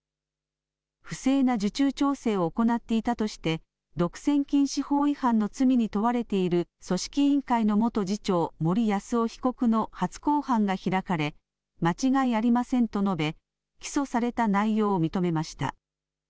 不正な受注調整を行っていたとして、独占禁止法違反の罪に問われている組織委員会の元次長、森泰夫被告の初公判が開かれ、間違いありませんと述べ、起訴された内容を認めました。